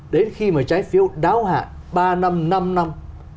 đến khi mà trái phiếu đáo hạ ba năm năm